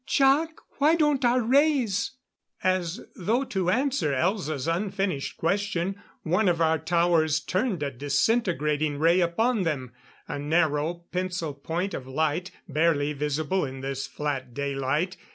"Jac! Why don't our rays " As though to answer Elza's unfinished question, one of our towers turned a disintegrating ray upon them. A narrow pencil point of light, barely visible in this flat daylight.